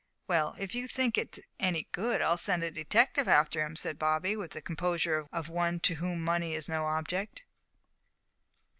"Well, if you think it's any good, I'll send a detective after him," said Bobby, with the composure of one to whom money is no object.